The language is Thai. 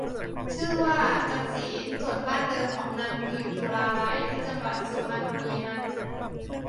ชื่อว่า จำศีล ส่วนบ้านเดิมของนางพิมสุราลัยที่จังหวัดสุพรรณบุรีนั้น